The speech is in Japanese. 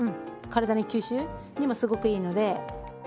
体に吸収にもすごくいいので。